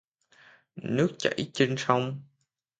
Nước chảy trên sông